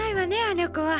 あの子は。